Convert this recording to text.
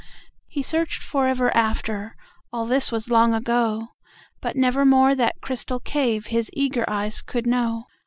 He searched forever after(All this was long ago!)But nevermore that crystal caveHis eager eyes could know.